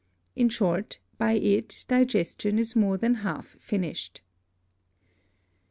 In short, by it Digestion is more than half finished.